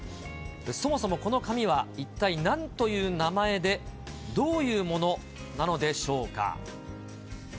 そもそもこの紙は一体なんという名前で、どういうものなのでしょうか。